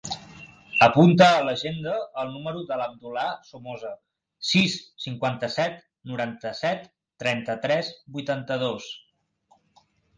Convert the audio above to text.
Apunta a l'agenda el número de l'Abdullah Somoza: sis, cinquanta-set, noranta-set, trenta-tres, vuitanta-dos.